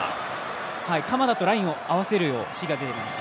鎌田とラインを合わせるよう指示が出ています。